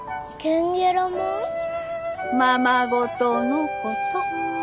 ままごとのこと